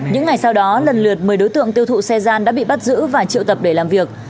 những ngày sau đó lần lượt một mươi đối tượng tiêu thụ xe gian đã bị bắt giữ và triệu tập để làm việc